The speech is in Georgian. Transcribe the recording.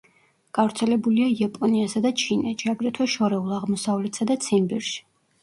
გავრცელებულია იაპონიასა და ჩინეთში, აგრეთვე შორეულ აღმოსავლეთსა და ციმბირში.